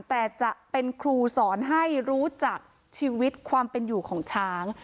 แต่จะเป็นครูสอนให้รู้จักชีวิตความเป็นอยู่ของช้าง